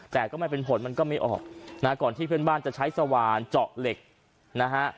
แต่ก็ไม่เป็นผลมันก็ไม่ออกนะก่อนที่เพื่อนบ้านจะใช้สว่านเจาะเหล็กนะฮะ